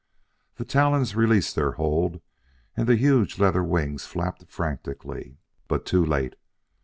The talons released their hold, and the huge leather wings flapped frantically; but too late.